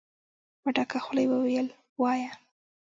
په ډکه خوله يې وويل: وايه!